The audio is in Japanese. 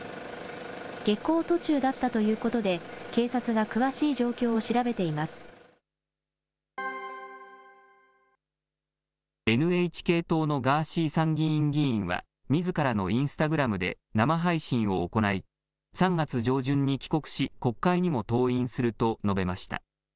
下校途中だったということで、警ＮＨＫ党のガーシー参議院議員は、みずからのインスタグラムで生配信を行い、３月上旬に帰国し、国会にも登院すると述べました。